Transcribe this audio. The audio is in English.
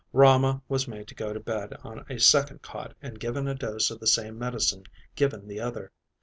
Rama was made to go to bed on a second cot and given a dose of the same medicine given the other.